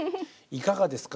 いかがですか？